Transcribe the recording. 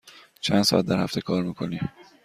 چند ساعت در هفته کار می کنی؟